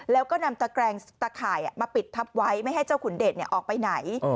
แล้วก็นำตะแกรงตะข่ายมาปิดทับไว้ไม่ให้เจ้าขุนเดชออกไปไหน